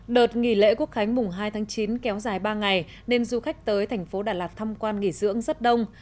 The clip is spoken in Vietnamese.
đợt nghỉ lễ quốc khánh mùng hai tháng chín kéo dài ba ngày nên du khách tới thành phố đà lạt thăm quan nghỉ dưỡng rất đông